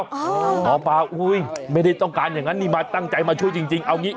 หมอปลาอุ้ยไม่ได้ต้องการอย่างนั้นนี่มาตั้งใจมาช่วยจริงเอางี้